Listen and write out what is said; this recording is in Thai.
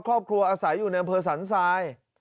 ครอบครัวอาศัยอยู่ในอำเภอสันทราย